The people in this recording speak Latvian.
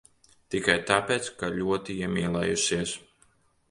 Tikai tāpēc, ka ļoti iemīlējusies.